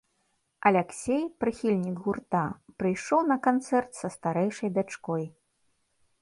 Аляксей, прыхільнік гурта, прыйшоў на канцэрт са старэйшай дачкой.